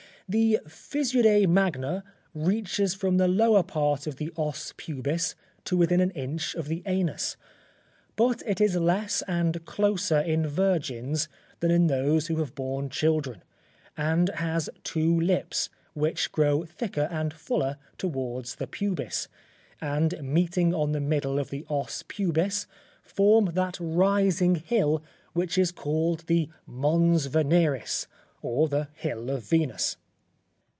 The fissure magna reaches from the lower part of the os pubis, to within an inch of the anus, but it is less and closer in virgins than in those who have borne children, and has two lips, which grow thicker and fuller towards the pubis, and meeting on the middle of the os pubis, form that rising hill which is called the Mons Veneris, or the Hill of Venus.